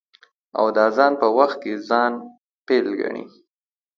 او د اذان په وخت کې ځان فيل گڼي.